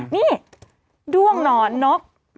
นี่ด้วงหนอนนก